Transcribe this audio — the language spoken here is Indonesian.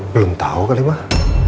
belum tahu kali pak